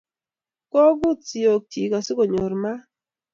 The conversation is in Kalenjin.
Kogut siok chik asi konyor maat